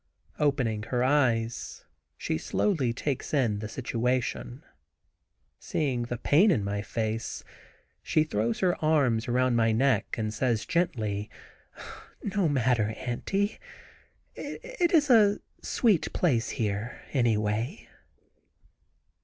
Opening her eyes, she slowly takes in the situation. Seeing the pain in my face, she throws her arms about my neck and says, gently, "No matter, auntie; it is a sweet place here, anyway."